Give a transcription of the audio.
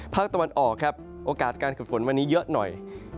ภาคตะวันออกครับโอกาสการเกิดฝนวันนี้เยอะหน่อย